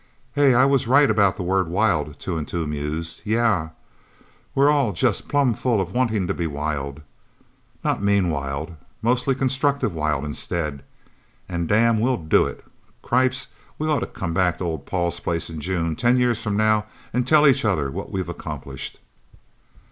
"Hey I was right about the word, wild," Two and Two mused. "Yeah we're all just plum full of wanting to be wild. Not mean wild, mostly constructive wild, instead. And, damn, we'll do it...! Cripes we ought to come back to old Paul's place in June, ten years from now, and tell each other what we've accomplished."